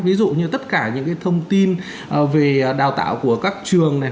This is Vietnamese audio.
ví dụ như tất cả những thông tin về đào tạo của các trường này